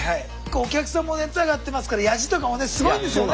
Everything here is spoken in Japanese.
お客さんも熱上がってますからヤジとかもねすごいんですよね。